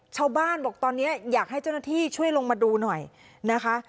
ชาวบ้านบอกตอนนี้อยากให้เจ้าหน้าที่ช่วยลงมาดูหน่อยนะคะ